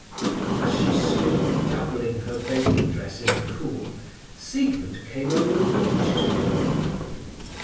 As she stood dabbling her bathing dress in a pool, Siegmund came over the beach to her.